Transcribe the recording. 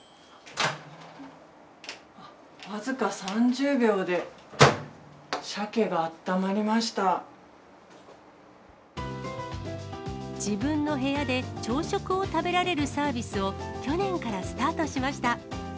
僅か３０秒で、自分の部屋で朝食を食べられるサービスを、去年からスタートしました。